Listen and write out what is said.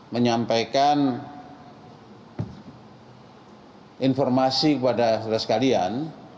menyampaikan informasi kepada saudara sekalian